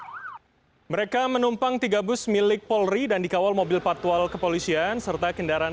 hai mereka menumpang tiga bus milik polri dan dikawal mobil partual kepolisian serta kendaraan